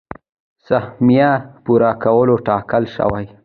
سهميه پوره کولو ټاکل شوي.